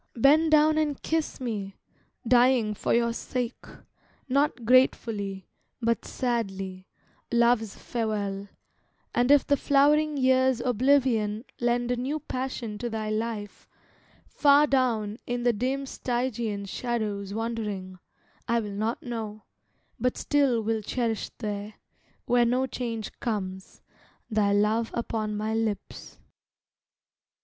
Bend down and kiss me, dying for your sake, Not gratefully, but sadly, love's farewell; And if the flowering year's oblivion Lend a new passion to thy life, far down In the dim Stygian shadows wandering, I will not know, but still will cherish there, Where no change comes, thy love upon my lips.